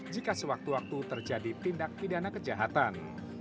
jika sewaktu waktu terjadi tindak pidana kejahatan